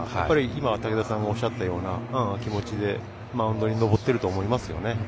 今、武田さんがおっしゃったような気持ちでマウンドに登っていると思いますね。